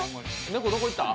猫、どこ行った？